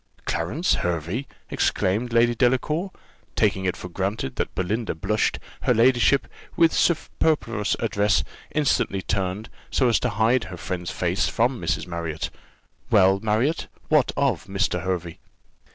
"Clarence Hervey!" exclaimed Lady Delacour: taking it for granted that Belinda blushed, her ladyship, with superfluous address, instantly turned, so as to hide her friend's face from Mrs. Marriott. "Well, Marriott, what of Mr. Hervey?"